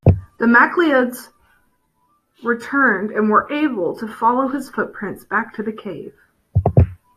The MacLeods returned and were able to follow his footprints back to the cave.